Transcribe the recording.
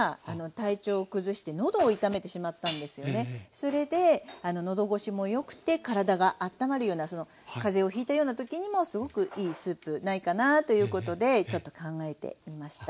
それで喉ごしもよくて体があったまるような風邪をひいたような時にもすごくいいスープないかなということでちょっと考えてみました。